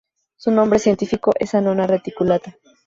Su nombre científico es Annona reticulata.